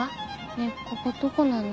ねえここどこなの？